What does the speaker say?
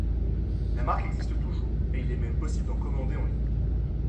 La marque existe toujours et il est même possible d'en commander en ligne.